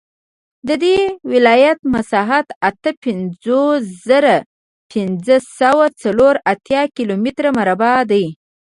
د دې ولایت مساحت اته پنځوس زره پنځه سوه څلور اتیا کیلومتره مربع دی